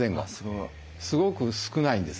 すごく少ないんです。